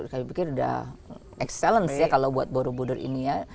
saya pikir udah excellence ya kalau buat buru buru ini ya